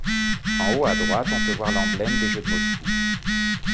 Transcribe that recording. En haut à droite on peut voir l'emblème des Jeux de Moscou.